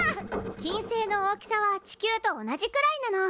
金星の大きさは地球と同じくらいなの。